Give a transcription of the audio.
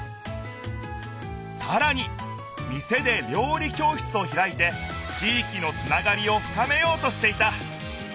さらに店で料理教室をひらいて地いきのつながりをふかめようとしていた。